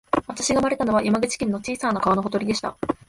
私が生まれたのは、山口県の小さな川のほとりでした